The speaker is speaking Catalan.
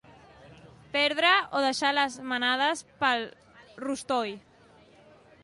Perdre o deixar les manades pel rostoll.